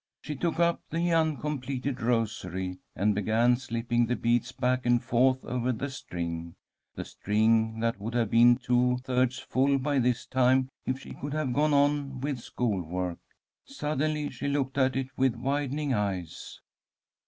She took up the uncompleted rosary and began slipping the beads back and forth over the string, the string that would have been two thirds full by this time if she could have gone on with school work. Suddenly she looked at it with widening eyes.